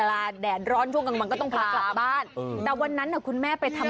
ถ้าจะกลับเลยกับใดละวะ